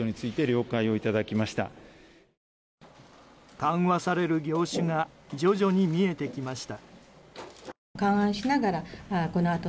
緩和される業種が徐々に見えてきました。